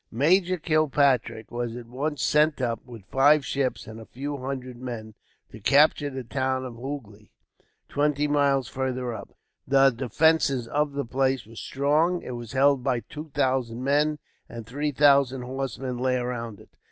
Major Kilpatrick was at once sent up, with five ships and a few hundred men, to capture the town of Hoogly, twenty miles farther up. The defences of the place were strong. It was held by two thousand men, and three thousand horsemen lay around it.